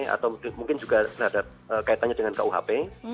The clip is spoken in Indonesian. atau mungkin juga terhadap kaitannya dengan kuhp